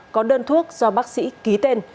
có đơn thuốc do bác sĩ ký tên